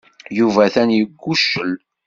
Yuba atan yegguccel.